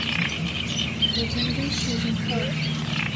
لە جەنگەی شیرن خەوا